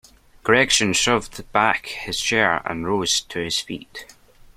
Gregson shoved back his chair and rose to his feet.